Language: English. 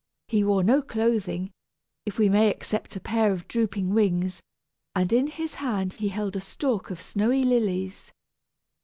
He wore no clothing, if we may except a pair of drooping wings, and in his hand he held a stalk of snowy lilies.